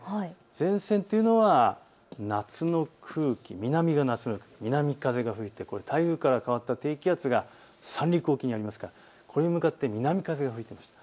前線というのは夏の空気、南風が吹いて台風から変わった低気圧が三陸沖にあるのでこれに向かって南風が吹いていました。